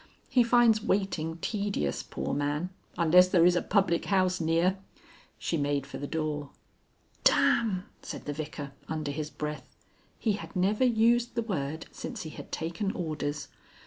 He finds waiting tedious, poor man, unless there is a public house near." She made for the door. "Damn!" said the Vicar, under his breath. He had never used the word since he had taken orders.